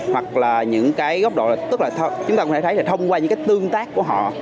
hoặc là những cái góc độ tức là chúng ta có thể thấy là thông qua những cái tương tác của họ